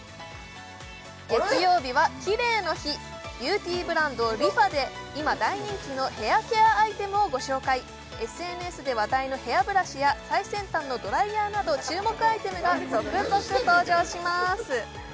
月曜日はキレイの日ビューティーブランドＲｅＦａで今大人気のヘアケアアイテムをご紹介ＳＮＳで話題のヘアブラシや最先端のドライヤーなど注目アイテムが続々登場します